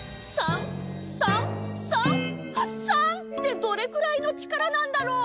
３？３？３？３ってどれくらいの力なんだろう？